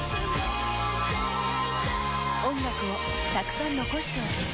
音楽をたくさん残しておける。